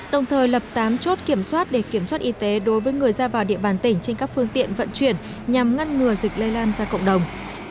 đồng thời lập tám chốt kiểm soát để kiểm soát y tế đối với người ra vào địa bàn tỉnh trên các phương tiện vận chuyển nhằm ngăn ngừa dịch lây lan ra cộng đồng